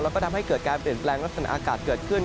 แล้วก็ทำให้เกิดการเปลี่ยนแปลงลักษณะอากาศเกิดขึ้น